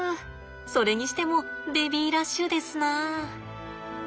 それにしてもベビーラッシュですな。